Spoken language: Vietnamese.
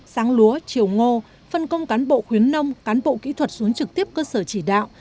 sáng lúa chiều ngô phân công cán bộ khuyến nông cán bộ kỹ thuật xuống trực tiếp cơ sở chỉ đạo